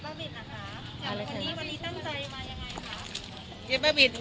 เจ๊พัดบินนะคะวันนี้ตั้งใจมายังไงคะ